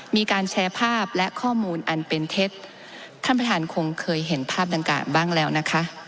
มีการแชร์ภาพและข้อมูลอันเป็นเท็จท่านประธานคงเคยเห็นภาพดังกล่าวบ้างแล้วนะคะ